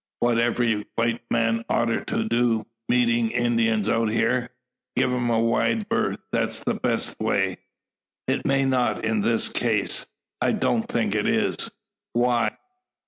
"What every white man oughter do meetin' Injuns out hyar gie 'em a wide berth: that's the best way." "It may not in this case; I don't think it is." "Why?"